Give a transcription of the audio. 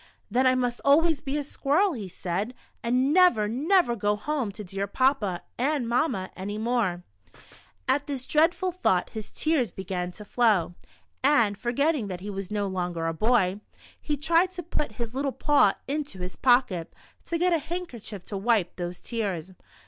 •' Then I must always be a squirrel," he said, " and never, never go home to dear Papa and Mamma any more." At this dreadful thought his tears began to flow, and, forgetting that he was no longer a boy, he tried to put his little paw into his pocket, to get a handkerchief to wipe those tears.